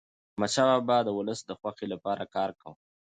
احمدشاه بابا د ولس د خوښی لپاره کار کاوه.